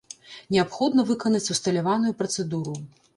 Неабходна выканаць усталяваную працэдуру.